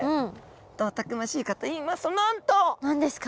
どうたくましいかといいますとなんと！何ですか？